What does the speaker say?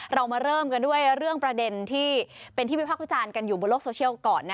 เรามาเริ่มกันด้วยเรื่องประเด็นที่เป็นที่วิพากษ์วิจารณ์กันอยู่บนโลกโซเชียลก่อน